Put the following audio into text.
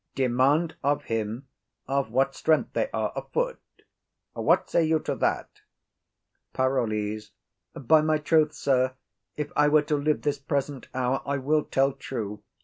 'Demand of him of what strength they are a foot.' What say you to that? PAROLLES. By my troth, sir, if I were to live this present hour, I will tell true.